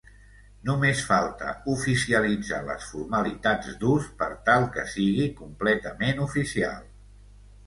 Només falta oficialitzar les formalitats d'ús per tal que sigui completament oficial.